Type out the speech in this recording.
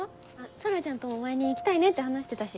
空ちゃんとも前に行きたいねって話してたし。